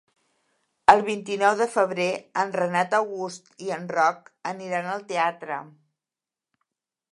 El vint-i-nou de febrer en Renat August i en Roc aniran al teatre.